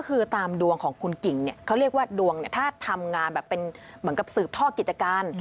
คือตามดวงของคุณกิ่งเนี่ยเขาเรียกว่าดวงถ้าทำงานแบบเป็นเหมือนกับสืบทอดกิจการ